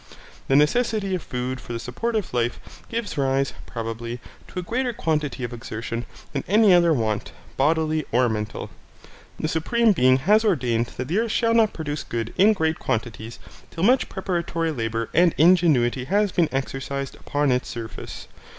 The necessity of food for the support of life gives rise, probably, to a greater quantity of exertion than any other want, bodily or mental. The Supreme Being has ordained that the earth shall not produce good in great quantities till much preparatory labour and ingenuity has been exercised upon its surface.